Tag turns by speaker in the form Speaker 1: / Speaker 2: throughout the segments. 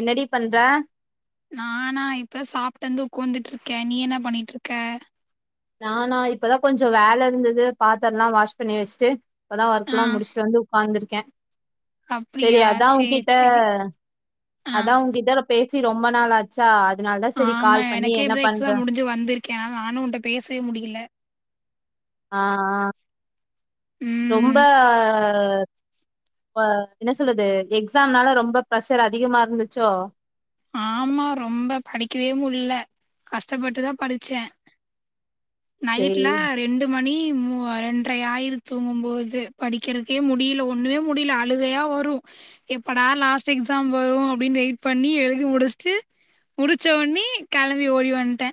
Speaker 1: என்னடி பண்ற
Speaker 2: நானா இப்பதா சாப்ட்டு வந்து உக்காந்துட்டு இருக்கே நீ என்ன பண்ணிட்டு இருக்க
Speaker 1: நானா இப்பதா கொஞ்சோ வேல இருந்தது பாத்தரல்லா வாஷ் பண்ணி வச்ட்டு இப்பதா
Speaker 2: ஆ
Speaker 1: ஒர்க்ல்லா முடிச்சுட்டு வந்து உக்காந்துருக்கே செரி
Speaker 2: அப்டியா
Speaker 1: அதா உ
Speaker 2: சேர்
Speaker 1: கிட்ட
Speaker 2: சேரி ஆ
Speaker 1: அதா உன் கிட்ட ரொ பேசி ரொம்ப நாளாச்சா அதனால தா சேரி கால் பண்ணி என்ன பண்ற
Speaker 2: டு வந்திருக்கே நானு உன்ட்ட பேசவே முடில
Speaker 1: ஆ ஆ ரொம்ப
Speaker 2: ம்
Speaker 1: இப்ப என்ன சொல்றது எக்ஸாம்னால ரொம்ப பிரஷர் அதிகமா இருந்துச்சோ
Speaker 2: ஆமா ரொம்ப படிக்கவே முல்ல கஷ்டப்பட்டுதா படிச்சே
Speaker 1: சேரி
Speaker 2: நைட்ல ரெண்டுப் மணி மு ரெண்டர ஆயிருது தூங்கும்போது படிக்கிறக்கே முடில ஒண்ணுமே முடில ஆ அழுகையா வரு எப்படா லாஸ்ட் எக்ஸாம் வரு அப்டினு வெயிட் பண்ணி எழு தி முடிச்ட்டு முடிச்ச ஒட்னே கெளம்பி ஓடி வன்ட்டே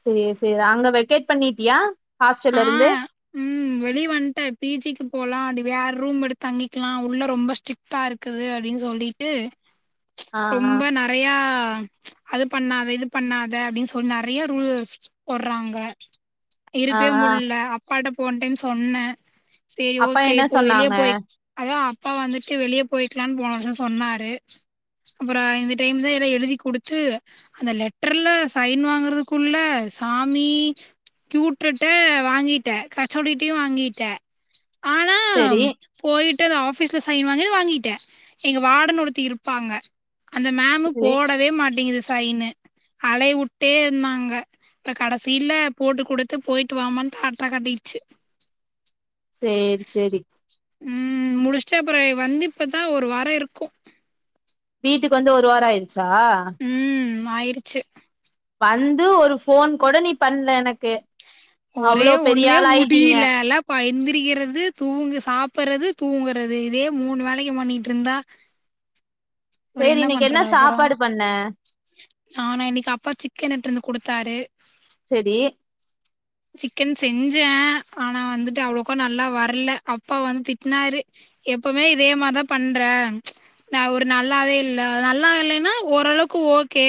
Speaker 1: சேரி சேரி அங்க வெக்கேட் பண்ணிட்டியா
Speaker 2: ஆ
Speaker 1: ஹாஸ்டல்ல இருந்து
Speaker 2: ம் வெளிய வன்ட்டே டிச்சிங்கு போலா அப்டி வேற ரூம் எடுத்து தங்கிக்கலா உள்ள ரொம்ப ஸ்டிக் ட்டா இருக்குது அப்டின் சொல்லிட்டு
Speaker 1: [inaudible] ஆ
Speaker 2: ரொம்ப நா நெறயா அது பண்ணாத இது பண்ணாத அப்டின்னு சொன் நெறயா ரூல்ஸ் போட்றாங்க
Speaker 1: ஆ
Speaker 2: ப்பே
Speaker 1: ஆ
Speaker 2: முல்ல அப்பாட்ட போன டைம் சொன்னே சேரி
Speaker 1: அப்பா
Speaker 2: ஓகே
Speaker 1: என்ன
Speaker 2: இப்போ வெளிய
Speaker 1: சொன்னாங்க
Speaker 2: போய் அதா அப்பா வந்துட்டு வெளிய போய்க்கலானு போன வருஷ சொன்னாரு அப்ற இந்த டைம் தா ஏதோ எழுதி குடுத்து அந்த லெட்டர்ல சைன் வாங்கறதுக்குள்ள சாமி ட்டே வாங்கிட்டே ஹெச் ஒ டி டையு வாங்கிட்டே ஆனா
Speaker 1: செரி
Speaker 2: போயிட்டு அந்த ஆபீஸ்ல சைன் வாங்கி வாங்கிட்டே எங்க வார்டன் ஒருத்தி இருப்பாங்க அந்த மேமு
Speaker 1: செரி
Speaker 2: போடவே மாட்டிங்குது சைன்னு அலையவுட்டே இருந்தாங்க இப்ப கடசில போட்டு கொடுத் து போயிட்டு வாமான்னு டாட்டா காட்டிடுச்சு
Speaker 1: சேரி சேரி
Speaker 2: ம் முடிச்சுட்டு அப்பற வந்து இப்பதா ஒரு வாரம் இருக்கு
Speaker 1: வீட்டுக்கு வந்து ஒரு வாரம் ஆயிருச்சா
Speaker 2: ம் ஆயிறுச்சு
Speaker 1: வந்து ஒரு போஃன் கூட நீ பண்ல எனக்கு
Speaker 2: ஒரே
Speaker 1: அவ்ளோ பெரிய
Speaker 2: ஒண்ணுமே
Speaker 1: ஆள் ஆயிட்டீங்க
Speaker 2: முடிலல்ல ப் ப்பா எந்திரிக்கிறது தூங்கு சாப்புறது தூங்கறது இதே மூணு வேலைக்கு பண்ணிட்டு இருந்தா அப்றோ
Speaker 1: சேரி இன்னக்கு என்ன
Speaker 2: பண்றது அப்றோ
Speaker 1: சாப்பாடு பண்ண
Speaker 2: நானா இன்னக்கு அப்பா சிக்கன் எடுத்ட்ட்டு வந்து குடுத்தாரு
Speaker 1: சேரி
Speaker 2: சிக்கன் செஞ்சே ஆனா வந்துட்டு அவ்வளவுக்கா நல்லா வரல அப்பா வந்து திட்னாரு எப்போமே இதே மாரி தா பண்ற நா ஒரு நல்லாவே இல்ல நல்லா இல்லன்னா ஓரளவுக்கு ஓகே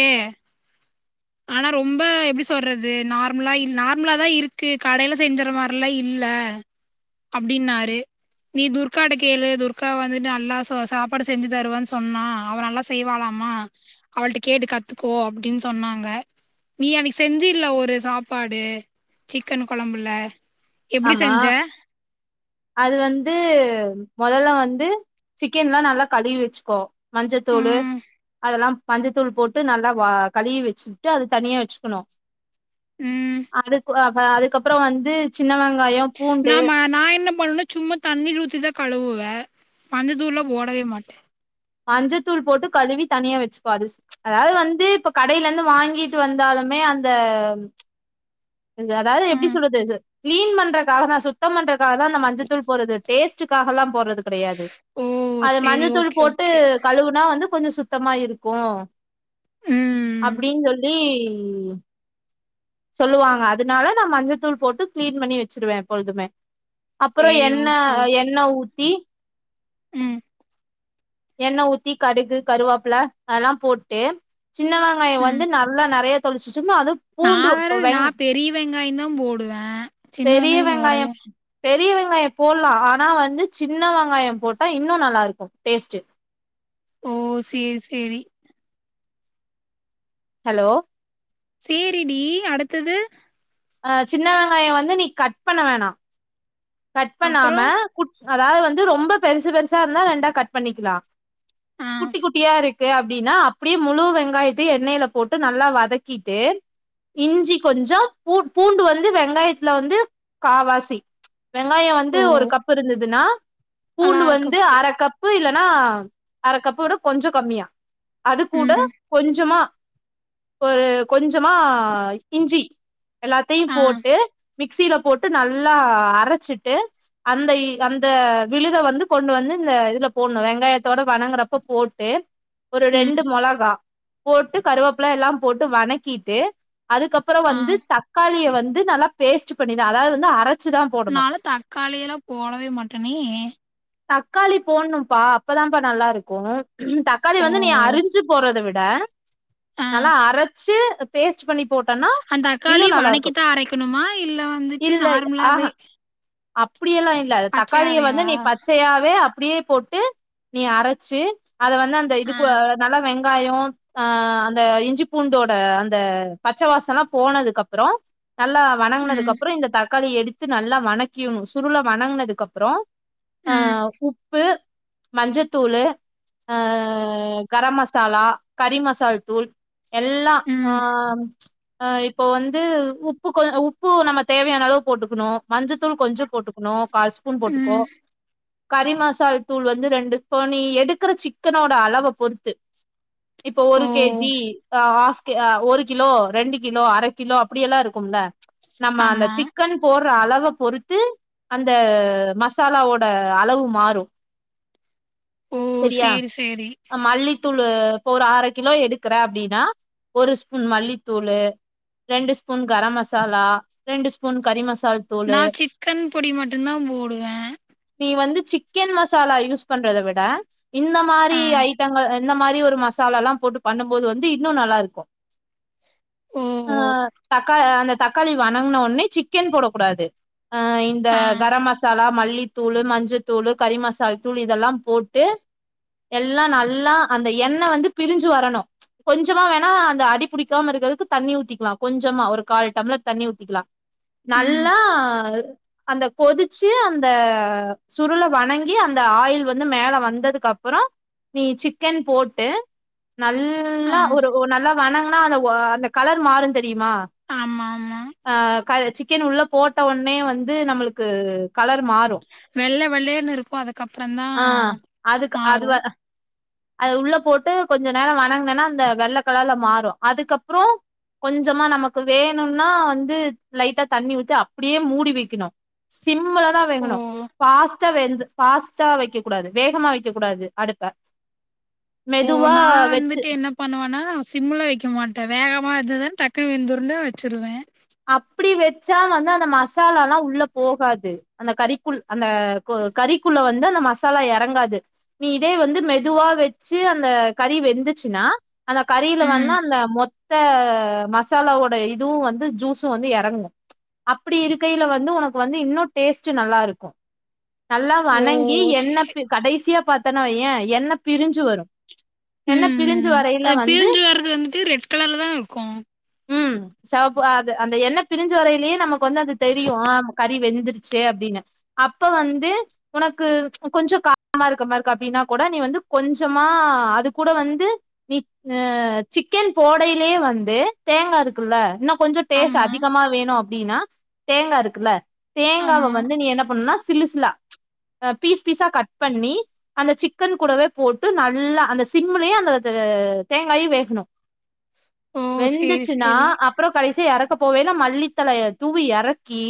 Speaker 2: ஆனா ரொம்ப எப்டி சொல்றது நார்மலா இ நார்மலா தா இருக்கு கடயில செஞ்சற மார் லா இல்ல அப்டின்னாரு நீ துர்க்காட்ட கேளு துர்க்கா வந்துட்டு அண்ணா சோ சாப்பாடு செஞ்சு தருவன்னு சொன்னா அவ நல்லா செ செய்வாளாமா அவள்ட்ட கேட்டு கத்துக்கோ அப்டின்னு சொன்னா ங்க நீ அன்னக்கு செஞ்சில ஒரு சாப்பாடு சிக்கன் கொழம்புல எப்டி
Speaker 1: ஆமா
Speaker 2: செஞ்ச
Speaker 1: அது வந்து மொதல்ல வந்து சிக்கன்ல்லா நல்லா கழுவி வச்சுக்கோ மஞ்சத்தூளு
Speaker 2: ம்
Speaker 1: அதெல்லா மஞ்சத்தூள் போட்டு நல்லா வா கழுவி வச்சுட்டு அது தனியா வச்சுக்கணு
Speaker 2: ம்
Speaker 1: அதுக்கு அ அதுக்கப்புற வந்து சின்ன வெங்காயம்
Speaker 2: நா ம நா என்ன பண்ணுனா சும்மா தண்ணிரூத்திதா கழுவுவே மஞ்சத்தூள்லா போடவே மாட்டே
Speaker 1: மஞ்சத்தூள் போட்டு கழுவி தனியா வச்சுக்கொ அதாவது வந்து இப்ப கடையில இருந்து வாங்கி ட்டு வந்தாலுமே அந்த அந்த அதாவது எப்டி
Speaker 2: ம்
Speaker 1: சொல்றது து கிளீன் பண்றக்காக தா சுத்தம் பண்றதுக்காக தா மஞ்சத்தூள் போறது டேஸ்டுக்காகல்லா போறது கெடையாது
Speaker 2: ஓ
Speaker 1: அது
Speaker 2: சேரி
Speaker 1: மஞ்சத்தூள்
Speaker 2: ஓகே
Speaker 1: போட்டு
Speaker 2: ஓகே
Speaker 1: கழுவு னா வந்து கொஞ்சொ சுத்தமா இருக்கு
Speaker 2: ம்
Speaker 1: அப்டின் சொல்லி சொல்லுவாங்க அதுனால நா மஞ்சத்தூள் போட்டு க்ளீன் பண்ணி வச்சிடுவே எப்பொழுதுமே அப்பறோ
Speaker 2: சேரி
Speaker 1: எண்ண
Speaker 2: ஓகே ஓகே
Speaker 1: எண்ணெ ஊத்தி
Speaker 2: ம்
Speaker 1: எண்ண ஊத்தி கடுகு கருவாப்ல அதெல்லா போட்டு சின்ன வெங்காயோ
Speaker 2: ம்
Speaker 1: வந்து நல்லா நெறைய தொழிச்சுட்டோம்னா அது
Speaker 2: நா வெரவு நா பெரிய வெங்காயோ தா போடுவே சின்ன
Speaker 1: பெரிய
Speaker 2: வெங்காயோ போடவே
Speaker 1: வெங்காயம் பெரிய வெங்காயோ போட்லா ஆனா வந்து சின்ன வெங்காயோ போட்டா இன்னு நல்லா இருக்கு டேஸ்ட்டு
Speaker 2: ஓ சேரி சேரி
Speaker 1: ஹலோ
Speaker 2: சேரிடி அடுத்தது
Speaker 1: அ சின்ன வெங்காயோ வந்து நீ கட் பண்ண வேணா கட்
Speaker 2: அப்புறோ
Speaker 1: பண்ணாம குட் அதாவது வந்து ரொம்ப பெருசு பெருசா இருந்தா ரெண்டா கட் பண்ணிக்கலா
Speaker 2: ஆ
Speaker 1: குட்டி குட்டியா இருக் கு அப்டின்னா அப்டியே முழு வெங்காயத்தையு எண்ணெயில போட்டு நல்லா வதக்கிட்டு இஞ்சி கொஞ்சொ பூ பூண்டு வந்து வெங்காயத்துல வந்து காவாசி வெங்காயோ வந்து
Speaker 2: ஓ
Speaker 1: ஒரு கப் இருந்ததுன்னா
Speaker 2: அதுல
Speaker 1: பூண்டு
Speaker 2: அர
Speaker 1: வந்து
Speaker 2: கப்பு
Speaker 1: அர கப் பு இல்லன்னா அர கப்பு விட கொஞ்சோ கம்மியா அது கூட
Speaker 2: ம்
Speaker 1: கொஞ்சமா ஒரு கொஞ்சமா இஞ்சி எல்லாத்தையு
Speaker 2: ஆ
Speaker 1: போட்டு மிக்ஸில போட்டு நல்லா அரச்சிட்டு அந்த அந்த விழுத வந்து கொண்டு வந்து இந்த இதுல போட்ணு வெங்காயத்தோட வணங்குறப்ப போட்டு ஒரு ரெண்டு
Speaker 2: ம்
Speaker 1: மொளகா போட்டு கருவப்ல எல்லா போட்டு வணக்கீட்டு அதுக்கப்பறோ
Speaker 2: ஆ
Speaker 1: வந்து தக்காளிய வந்து நல்லா பேஸ்ட்டு பண்ணிதா அதாது வந்து அரச்
Speaker 2: நாலா தக்காளி எல்லா போடவே மாட்டேனே ஏ
Speaker 1: தக்காளி போட்ணும்ப்பா அப்பதாம்ப்பா நல்லா இருக்கு தக்காளி
Speaker 2: ஓ
Speaker 1: வந்து நீ அறிஞ்சு போட்றத விட
Speaker 2: ஆ
Speaker 1: ட நல்லா அரச்சு இ பேஸ்ட் பண்ணி போட்டோன்னா
Speaker 2: அந்த தக்காளி
Speaker 1: இன்னு நல்லா இருக்கு
Speaker 2: வணக்கித்தான் அரைக்கணுமா இல்ல வந்துட்டு
Speaker 1: இல்ல
Speaker 2: நார்மலாவே
Speaker 1: ஆஹ அப்டி எல்லா இல்ல தக்காளிய வந்து
Speaker 2: பச்சையாவேவா
Speaker 1: நீ பச்சையாவே அப்டியே போட் டு நீ அரச்சு அத வந்து அந்த
Speaker 2: ஆ
Speaker 1: இதுக்கு நல்லா வெங்காயோ ஆ அந்த இஞ்சி பூண்டோட அந்த பச்சவாசோல்லா போனதுக்கு அப்றோ நல்லா
Speaker 2: ம்
Speaker 1: வணங்குனதுக்கப்புறோ இந்த தக்காளிய எடுத்து நல்லா வணக்கி சுருள வணங்குனதுக்கு அப்றோ அ
Speaker 2: ம்
Speaker 1: உப்பு மஞ்சத்தூளு அ கரம் மசாலா கறி மசால் தூள் எல்லா ஆ
Speaker 2: ம்
Speaker 1: அ இப்போ வந்து உப்பு கொ உப்பு நம்ம தேவையான அளவு போட்டுக்கணு மஞ்சத் தூள் கொஞ்சோ போட்டுக்கணு கால் ஸ்பூன் போட்டுக்கோ
Speaker 2: ம்
Speaker 1: கறி மசால் தூள் வந்து ரெண்டு இப்போ நீ எடுக்குற சிக்கனோட அளவ பொறுத்து இப்போ ஒரு
Speaker 2: ஓ
Speaker 1: கேஜி ஆ ஆஃப் கு ஒரு கிலோ ரெண்டு கிலோ அர கிலோ அப்டியெல்லா இருக்கும்ல நம்ம அந்த
Speaker 2: ஆமா
Speaker 1: சிக்கன் போட்ற அளவப் பொறுத்து அந்த மசாலாவோட அளவு மாறு
Speaker 2: ஓ
Speaker 1: செரியா
Speaker 2: சேரி சேரி
Speaker 1: ஆ மல்லி த்தூளு இப்ப ஒரு அர கிலோ எடுக்குற அப்டின்னா ஒரு ஸ்பூன் மல்லித்தூளு ரெண்டு ஸ்பூன் கரம் மசாலா ரெண்டு ஸ்பூன் கறி மசால் தூளு
Speaker 2: நா சிக்கன் பொடி மட்டுந்தா போடுவ
Speaker 1: நீ வந்து சிக்கன் மசாலா யூஸ் பண்றத விட இந்த மாரி
Speaker 2: ஆ
Speaker 1: ஐட்டங்கள்‌ ஆ இந்த மாரி ஒரு மசாலால்லா போட்டு பண்ணும் போது வந்து இன்னு நல்லாருக்கு
Speaker 2: ஓ
Speaker 1: ஆ
Speaker 2: ஓ
Speaker 1: தக்கா அந்த தக்காளி வணங்குன ஒட்னே சிக்கன் போடக் கூடாது ஆ இந்த
Speaker 2: ஆ
Speaker 1: கரம் மசாலா மல்லித் தூளு மஞ்சத்தூளு கறி மசால் தூள் இதெல்லா போட்டு எல்லா நல்லா அந்த எண்ணெ வந்து பிரிஞ்சு வரணு கொஞ்சமா வேணா அந்த அடி புடிக்காம இருக்கறதுக்கு தண்ணி ஊத்திக்கலா கொஞ்சமா ஒரு கால் டம்ளர் தண்ணி ஊத்திக்கலா
Speaker 2: ம்
Speaker 1: நல்லா அந்த கொதிச்சு அந்த சுருள வணங்கி அந்த ஆயில் வந்து மேல வந்ததுக்கு அப்புற நீ சிக்கன் போட்டு
Speaker 2: ஆ
Speaker 1: நல்லா ஒரு நல்லா வணங்கன்னா அந்த ஒ அந்த கலர் மாறு தெரியுமா
Speaker 2: ஆமா ஆமா
Speaker 1: ஆ கல சிக்கன் உள்ள போட்ட ஒட்னே வந்து நம்பளுக்கு கலர் மாற்
Speaker 2: வெள்ள வெள்ளேர்னு இருக்கும் அதுக்கப்புறந்தா
Speaker 1: ஆ அதுக்கு அது
Speaker 2: மாறு
Speaker 1: அது உள்ள போட்டு கொஞ்ச நேரம் வணங்குனென்னா அந்த வெள்ளக் கலர்ல மாறும் அதுக்கப்புறம் கொஞ்சமா நமக்கு வேணும்னா வந்து லைட்டா தண்ணிவிட்டு அப்டியே மூடி வெக் கினு சிம்லதா
Speaker 2: ஓ
Speaker 1: வேகனு பாஸ் ட்டா வெந்து ஃபாஸ்ட்டா வெக்கக் கூடாது வேகமா வெக்கக் கூடாது அடுப்ப மெதுவா வெச்சு
Speaker 2: பண்ணுவேனா சிம்முல வக்க மாட்ட வேகமாக இருந்தாதா டக்குனு வெந்துருண்டு வெச்சுருவே
Speaker 1: அப்டி வெச்சா வந்து அந்த மசாலால்லா உள்ள போகாது அந்த கறிக்குள் அந்த கொ கறிக்குள்ள வந்து அந்த மசாலா எறங்காது நீ இதே வந்து மெதுவா வச்சு அந்த கறி வெந்துச்சுன்னா அந்த கறில
Speaker 2: ம்
Speaker 1: வேன்னா அந்த மொத்த மசாலாவோட இதுவு வந்து ஜூஸ் ஸு வந்து எறங்கு அப்டி இருக்கையில வந்து ஒனக்கு வந்து இன்னு டேஸ்ட்டு நல்லாருக்கு நல்லா
Speaker 2: ஓ
Speaker 1: வணங்கி
Speaker 2: சேரி
Speaker 1: எண்ணெ பி கடைசியா பாத்தன்ன வையே எண்ணெ பிரிஞ்சு வரு
Speaker 2: ம்
Speaker 1: எண்ணெ
Speaker 2: ம்
Speaker 1: பிரிஞ்சு
Speaker 2: ம்
Speaker 1: வரையில
Speaker 2: ஆ
Speaker 1: வந்து
Speaker 2: பிரிஞ்சு வரது வந்துட்டு ரெட் கலர்லதா இருக்கு
Speaker 1: ம் செவப்பு அது அந்த எண்ணெ பிரிஞ்சு வரையிலேயே நமக்கு வந்து அது தெரியு ஆ கறி வெந்துரிச் சே அப்டின்னு அப்ப வந்து ஒனக்கு கொஞ்ச காரமா இருக்கமா அப்டின்னா கூட நீ வந்து கொஞ்சமா அது கூட வந்து நீ ஆ சிக்கன் போடையிலேயே வந்து தேங்கா இருக்குல்ல இன்னு கொஞ்ச டேஸ்ட்
Speaker 2: ஆமா
Speaker 1: அதிகமா வேணு அப்டின்னா தேங்கா இருக்குல்ல தேங்காவ
Speaker 2: ஆமா
Speaker 1: வந்து நீ என்ன பண்ணுனா சில்லு சில்லா ஆ பீஸ் பீஸா கட் பண்ணி அந்த சிக்கன் கூடவே போட்டு நல்லா அந்த சிம்முலேயே அந்த இது தேங்காயு வேகணு
Speaker 2: ஓ சேரி
Speaker 1: வெந்துச்சின்னா
Speaker 2: சேரி
Speaker 1: அப்புற கடைசியா எற க்கப் போவையில மல்லித்தழையே தூவி எறக்கி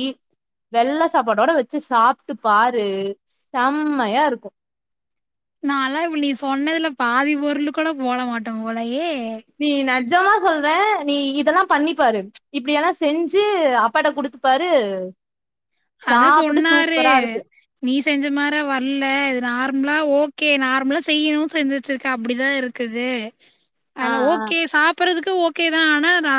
Speaker 1: வெள்ள சாப்பாடோட வச்சு சாப்ட்டு பாரு செம்மையா இருக்கு
Speaker 2: நா எல்லா இப்ப நீ சொன்னதுல பாதி பொருள் கூட போட மாட்டோ போலையே
Speaker 1: நீ நெஜமா சொல்றே நீ இதெல்லா பண்ணிபாரு இப்டியல்லா செஞ்சு அப்பாட்ட குடுத்து பரு
Speaker 2: அதா
Speaker 1: சாப்ட்டு
Speaker 2: சொன்னாரு
Speaker 1: சூப்பரா இருக்கு
Speaker 2: நீ செஞ்ச மார வரல இது நார்மலா ஓக்கே நார்மலா செய்யணுன் செஞ்சுவச்ருக்கே அப்டிதா இருக் குது
Speaker 1: ஆ
Speaker 2: ஆன
Speaker 1: ஆ
Speaker 2: ஓக்கே சாப்பறதுக்கு ஓக்கே தா ஆனா ர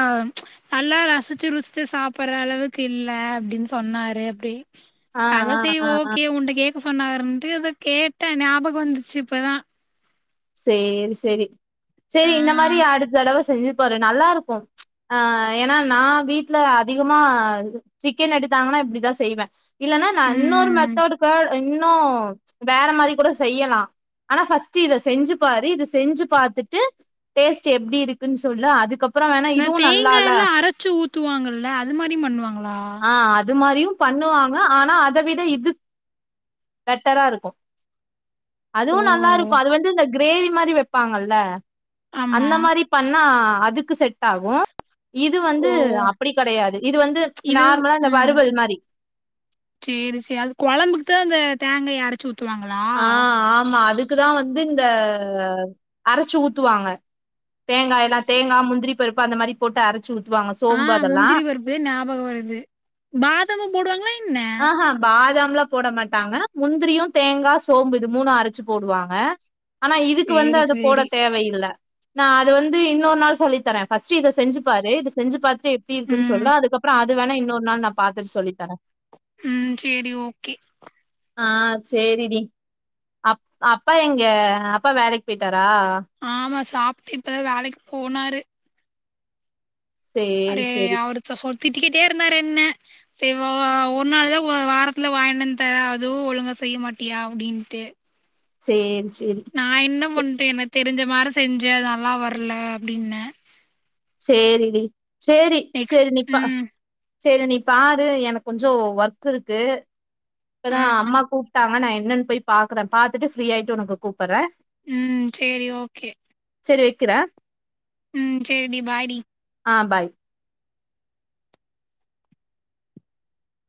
Speaker 2: நல்லா ரசிச்சு ருசிச்சு சாப்பர்ற அளவுக்கு இல்ல அப்டின் சொன்னாரு அப்டி
Speaker 1: ஆ
Speaker 2: அதா
Speaker 1: ஆ
Speaker 2: சரி
Speaker 1: ஆ ஆ
Speaker 2: ஓக்கே உன்ட்ட கேக்க சொன்னாருன்ட்டு அதா கேட்டே ஞாபக வந்துச்சு இப்பதா
Speaker 1: சேரி சேரி செரி
Speaker 2: ஆ
Speaker 1: இந்த மாரி அடுத்த தடவ செஞ்சு பாரு நல்லா இருக்கு ஆ ஏன்னா நா வீட்ல அதிகமா சிக்கன் எடுத்தாங்கன்னா இப்டிதா செய்வே இல்லன்னா நா இன்னொரு
Speaker 2: ம்
Speaker 1: மெத்தோடுக் இன்னு வேற மாரி கூட செய்யலா ஆனா ஃபஸ்ட்டு இத செஞ்சு பாரு இத செஞ்சு பாத்துட்டு டேஸ்ட் எப்டி இருக்குன் சொல்லு அதுக்க ப்றோ வேணா
Speaker 2: இந்த
Speaker 1: இதுவு நல்லால்ல
Speaker 2: தேங்கால்லா அரச்சு ஊத்துவாங்கல்ல அது மாரி பண்ணுவாங்களா
Speaker 1: ஆ அது மாரியு பண்ணுவாங்க ஆனா அத விட இது பெட்டரா இருக்கு
Speaker 2: ஓ
Speaker 1: அதுவு நல்லாருக்கு அது வந்து இந்த கிரேவி மாதிரி வெப்பாங்கல்ல
Speaker 2: ஆமா
Speaker 1: அந்த மாரி பண்ணா அதுக்கு செட் ஆகு இது வந்து
Speaker 2: ஓ
Speaker 1: அப்டி கெடையாது இது வந்து
Speaker 2: இது
Speaker 1: நார்மலா இந்த
Speaker 2: ம்
Speaker 1: வறுவல் மாரி
Speaker 2: சேரி சே அது கொழம்புக்கு தா அந்த தேங்காய அரைச்சு ஊத்துவாங்களா
Speaker 1: ஆ ஆமா அதுக்குதா வந்து இந்த அரைச்சு ஊத்துவாங்க தேங்காய எல்லா தேங்கா முந்திரி பருப்பு அந்த மாரி போட்டு அரைச்சு ஊ
Speaker 2: ஆ முந்திரி பருப்பு ஞாபக வருது பாதாமு போடுவாங்ளா என்ன
Speaker 1: ஆஹா பாதாம்லா போட மாட்டாங்க முந்திரியு தேங்கா சோம்பு இது மூணு அரைச்சு போடுவாங்க ஆனா இதுக்கு வந்து
Speaker 2: சேரி
Speaker 1: அது போட
Speaker 2: சேரி
Speaker 1: தேவையில்ல நா அது வந்து இன்னொரு நாள் சொல்லித்தரே ஃபர்ஸ்ட் இத செஞ்சு பாரு இத செஞ்சு பாத்துட்டு எப்டி இருக்குன்
Speaker 2: ம்
Speaker 1: சொல்லு அதுக்கப்றோ அது வேணா இன்னொரு நாள் நா பாத்துட்டு சொல்லித்தரே
Speaker 2: ம் சேரி ஓக்கே
Speaker 1: ஆ சேரிடி அப் அப்பா எங்க அப்பா வேலைக்கு போயிட்டாரா
Speaker 2: ஆமா சாப்ட்டு இப்பதா வேலைக்கு போனாரு அவரு
Speaker 1: சேரி சேரி
Speaker 2: அவருத் சொ திட்டிக்கிட்டே இருந்தாரு என்ன செவா ஒரு நாள்தா வாரத்துல வாங்கனந்து வந்து தரே அதுவு ஒழுங்கா செய்ய மாட்டியா அப்டின்ட்டு
Speaker 1: சேரி சேரி
Speaker 2: நா என்ன
Speaker 1: சே
Speaker 2: பண்ட்டு எனக்கு தெரிஞ்ச மாரி செஞ்சே அது நல்லா வரல அப்டின்னே
Speaker 1: சேரிடி சேரி
Speaker 2: நெக்ஸ்ட்
Speaker 1: சேரி நீப்பா
Speaker 2: ம்
Speaker 1: சேரி நீ பாரு எனக்கு கொஞ்சோ ஒர்க் இருக்கு இப்பதா
Speaker 2: ஆ
Speaker 1: அம்மா கூப்ட்டாங்க நா என்னன் போய் பாக்குறே பாத்துட்டு ஃப்ரீயாயிட்டு உனக்கு கூப்பட்றே
Speaker 2: ம் சேரி ஓக்கே
Speaker 1: சேரி வெக்கிறே
Speaker 2: ம் சேரி டி பாய் டி
Speaker 1: ஆ பாய்